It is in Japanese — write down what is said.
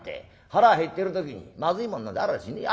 腹減ってる時にまずいもんなんてあらしねえ。